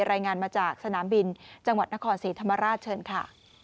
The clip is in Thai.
รายงานมาจากสนามบินจังหวัดนครศรีธรรมราชเชิญค่ะ